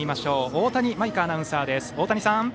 大谷舞風アナウンサーです。